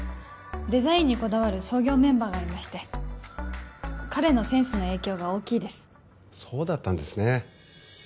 デザインにこだわる創業メンバーがいまして彼のセンスの影響が大きいですそうだったんですね